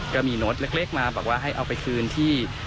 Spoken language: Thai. ก็มีโน้ตเล็กมาบอกว่าให้เอาไปคืนที่